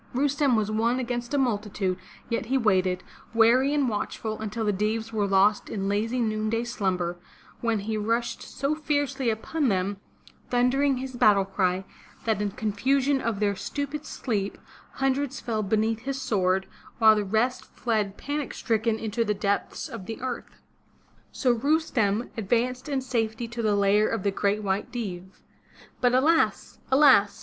Rustem was one against a multitude, yet he waited, wary and watch ful, until the Deevs were lost in lazy noonday slumber, when he rushed so fiercely upon them, thundering his battle cry, that in confusion of their stupid sleep, hundreds fell beneath his sword, while the rest fled panic stricken into the depths of the earth. So Rustem advanced in safety to the lair of the Great White Deev. But alas! alas!